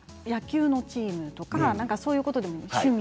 野球のチームとかそういうことでも。